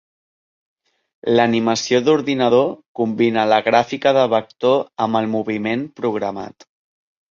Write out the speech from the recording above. L'animació d'ordinador combina la gràfica de Vector amb el moviment programat.